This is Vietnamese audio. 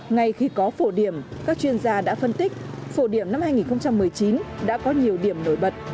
ngay khi có phổ điểm các chuyên gia đã phân tích phổ điểm năm hai nghìn một mươi chín đã có nhiều điểm nổi bật